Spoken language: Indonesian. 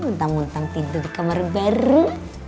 muntang muntang tidur di kamar beru